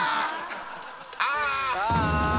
あ！